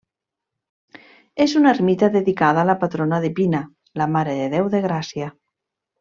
És una ermita dedicada a la patrona de Pina, la Mare de Déu de Gràcia.